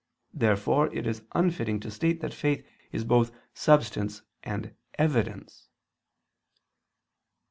Therefore it is unfitting to state that faith is both "substance" and "evidence."